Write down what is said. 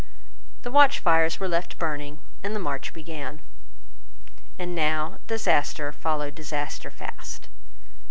The watch fires were left burning; and the march began. And now disaster followed disaster fast.